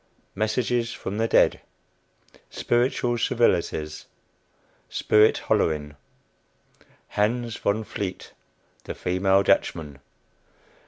MESSAGES FROM THE DEAD. SPIRITUAL CIVILITIES. SPIRIT "HOLLERING." HANS VON VLEET, THE FEMALE DUTCHMAN.